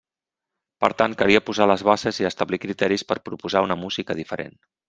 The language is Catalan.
Per tant calia posar les bases i establir criteris per proposar una música diferent.